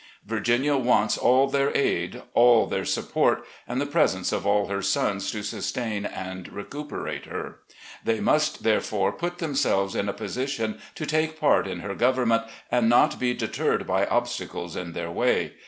Virginia wants all their aid, all their support, and the presence of all her sons to sustain and recuperate her. They must therefore put themselves in a position to take part in her government, and not be deterred by obstacles in their way.